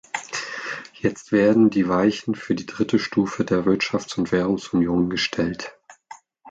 Jetzt werden die Weichen für die dritte Stufe der Wirtschafts- und Währungsunion gestellt.